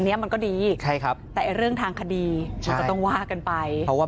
เนี้ยมันก็ดีใช่ครับแต่เรื่องทางคดีมันก็ต้องว่ากันไปเพราะว่า